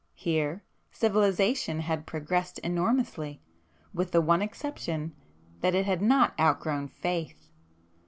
Here civilization had progressed enormously,—with the one exception that it had not outgrown faith.